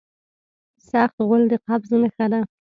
سخت غول د قبض نښه ده.